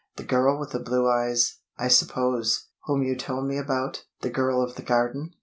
"The girl with the blue eyes, I suppose, whom you told me about? The girl of the garden?"